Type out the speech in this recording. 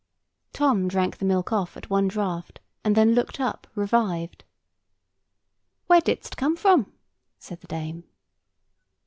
Tom drank the milk off at one draught, and then looked up, revived. "Where didst come from?" said the dame.